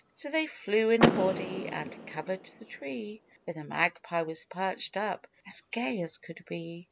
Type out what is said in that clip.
So they flew in a body, and covered the tree Where the Magpie was perched up, as gay as could be.